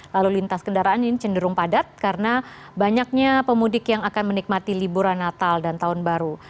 lalu lintas kendaraan ini cenderung padat karena banyaknya pemudik yang akan menikmati liburan natal dan tahun baru